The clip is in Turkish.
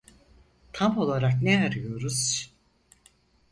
Tam olarak ne arıyoruz?